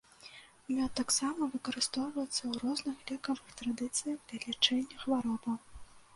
Мёд таксама выкарыстоўваецца ў розных лекавых традыцыях для лячэння хваробаў.